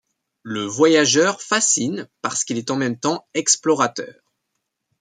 Le Voyageur fascine parce qu'il est en même temps Explorateur.